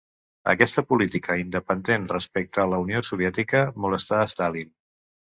Aquesta política independent respecte a la Unió Soviètica molestà Stalin.